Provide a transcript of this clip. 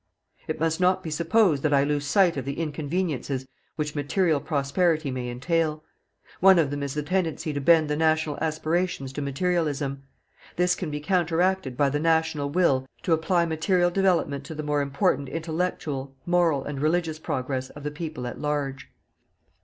It must not be supposed that I lose sight of the inconveniences which material prosperity may entail. One of them is the tendency to bend the national aspirations to materialism. This can be counteracted by the national will to apply material development to the more important intellectual, moral and religious progress of the people at large.